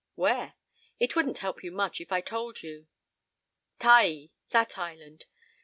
Where? It wouldn't help you much if I told you. Taai. That island.